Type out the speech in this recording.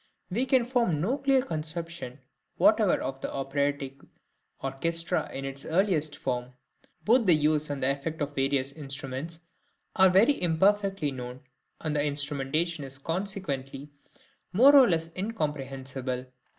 We can form no clear conception whatever of the operatic {INSTRUMENTATION THE OVERTURE.} (165) orchestra in its earliest form; both the use and the effect of various instruments are very imperfectly known, and the instrumentation is consequently more or less incomprehensible.